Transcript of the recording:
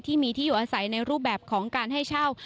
ที่มีที่อยู่อาศัยในรูปแบบของการให้เช่า